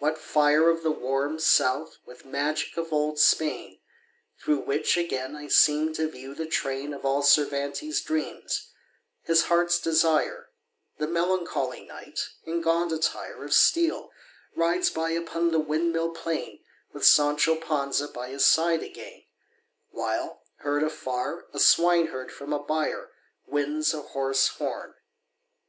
what fire Of the "warm South" with magic of old Spain! Through which again I seem to view the train Of all Cervantes' dreams, his heart's desire: The melancholy Knight, in gaunt attire Of steel rides by upon the windmill plain With Sancho Panza by his side again, While, heard afar, a swineherd from a byre Winds a hoarse horn.